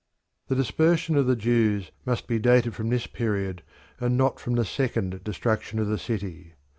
The dispersion of the Jews must be dated from this period and not from the second destruction of the city.